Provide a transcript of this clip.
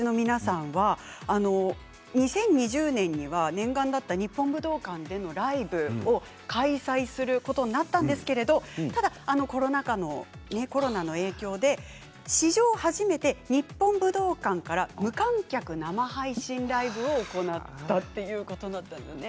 ２０２０年には念願だった日本武道館でのライブを開催することになったんですけれど、ただコロナの影響で史上初めて日本武道館から無観客生配信ライブを行ったということなんですね。